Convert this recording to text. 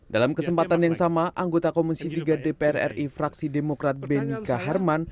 dalam kesempatan yang sama anggota komisi tiga dpr ri fraksi demokrat benika harman